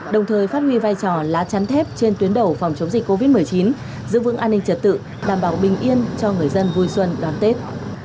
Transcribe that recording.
đồng thời phát huy vai trò lá chắn thép trên tuyến đầu phòng chống dịch covid một mươi chín giữ vững an ninh trật tự đảm bảo bình yên cho người dân vui xuân đón tết